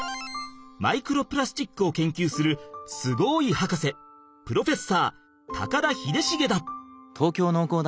マイクロプラスチックを研究するすごいはかせプロフェッサー高田秀重だ！